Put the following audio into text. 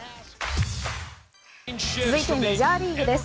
続いて、メジャーリーグです。